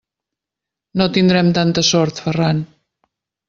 No tindrem tanta sort, Ferran!